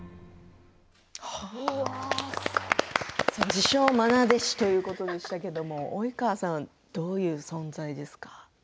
自称まな弟子ということでしたけど及川さん、どういう存在ですか。